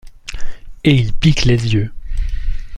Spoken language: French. et il pique les yeux.